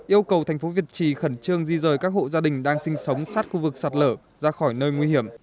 yêu cầu thành phố việt trì khẩn trương di rời các hộ gia đình đang sinh sống sát khu vực sạt lở ra khỏi nơi nguy hiểm